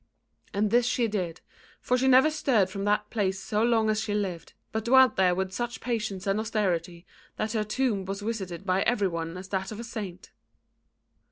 And this she did, for she never stirred from that place so long as she lived, but dwelt there with such patience and austerity that her tomb was visited by every one as that of a saint.